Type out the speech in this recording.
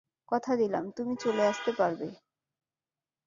কথা দিলাম, তুমি চলে আসতে পারবে।